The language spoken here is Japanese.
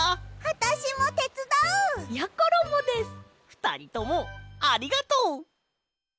ふたりともありがとう！